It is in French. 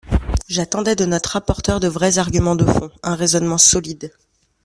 J’attendais de notre rapporteur de vrais arguments de fond, un raisonnement solide.